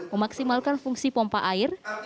memaksimalkan fungsi pompa air